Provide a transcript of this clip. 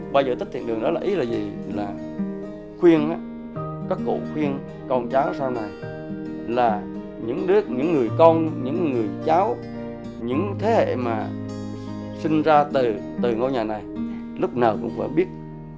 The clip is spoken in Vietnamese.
ba giải thích thiện đường đó là ý là gì là khuyên á các cổ khuyên con cháu sau này là những đứa những người con những người cháu những thế hệ mà sinh ra từ ngôi nhà này lúc nào cũng phải biết